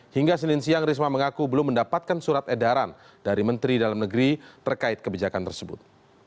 hingga senin siang risma mengaku belum mendapatkan surat edaran dari menteri dalam negeri terkait kebijakan tersebut